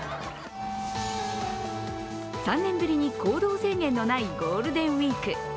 ３年ぶりに行動制限のないゴールデンウイーク。